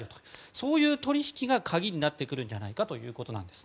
そういう取引が鍵になってくるんじゃないかということなんです。